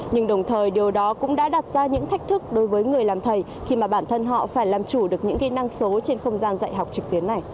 nhưng đồng thời điều đó cũng đã đặt ra những thách thức đối với người làm thầy khi mà bản thân họ phải làm chủ được những năng số trên không gian dạy học trực tuyến này